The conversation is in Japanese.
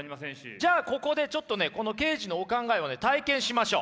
じゃあここでちょっとねこのケージのお考えを体験しましょう。